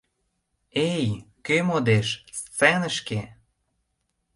— Эй, кӧ модеш — сценышке!